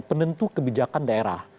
penentu kebijakan daerah